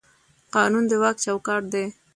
قانون د واک چوکاټ دی